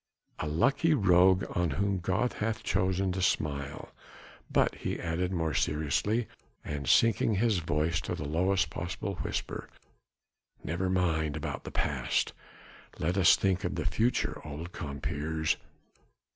"A lucky rogue on whom God hath chosen to smile. But," he added more seriously and sinking his voice to the lowest possible whisper, "never mind about the past. Let us think of the future, old compeers."